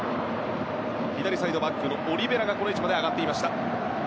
左サイドバックのオリベラがこの位置まで上がっていた。